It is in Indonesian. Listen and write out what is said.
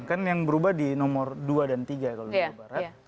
kan yang berubah di nomor dua dan tiga kalau di jawa barat